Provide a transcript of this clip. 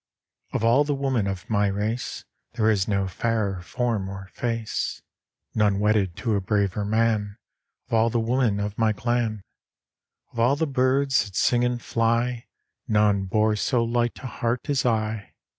ii. Of all the women of my race There is no fairer form or face ; None wedded to a braver man Of all the women of my clan ; Of all the birds that sing and fly None bore so light a heart as I.